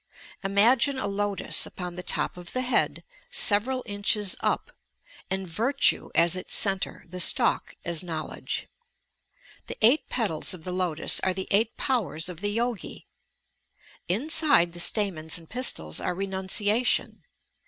... Imagine a lotus upon the top of the head, several inches up, and Virtue as its cen tre, the stalk as knowledge. The eight petals of the lotus are the eight powers of the Yogi. Inside the sta mens ,and pistils are renunciation.